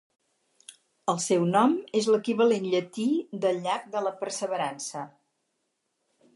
El seu nom és l'equivalent llatí de Llac de la Perseverança.